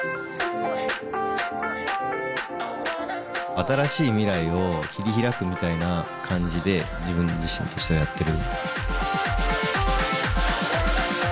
新しい未来を切り開くみたいな感じで自分自身としてはやってる。